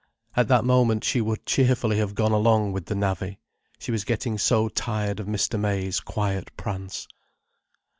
At that moment she would cheerfully have gone along with the navvy. She was getting so tired of Mr. May's quiet prance.